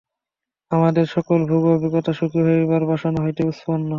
আমাদের সকল ভোগ ও অভিজ্ঞতা সুখী হইবার বাসনা হইতেই উৎপন্ন।